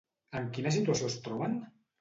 En quina situació es troben?